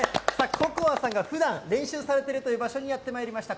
Ｃｏｃｏａさんがふだん練習されてるという場所にやってまいりました。